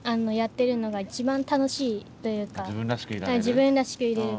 自分らしくいられる？